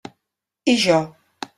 I jo?